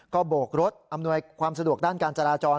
ก็โบกรถอำนวยความสะดวกด้านการจราจร